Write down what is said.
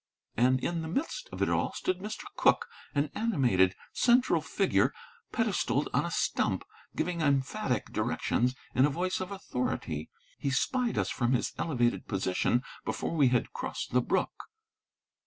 And in the midst of it all stood Mr. Cooke, an animated central figure pedestalled on a stump, giving emphatic directions in a voice of authority. He spied us from his elevated position before we had crossed the brook.